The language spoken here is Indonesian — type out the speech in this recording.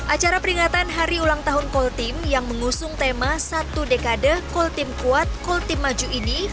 acara peringatan hari ulang tahun koltim yang mengusung tema satu dekade koltim kuat koltim maju ini